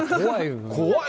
怖い。